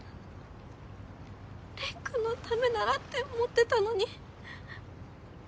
蓮君のためならって思ってたのに。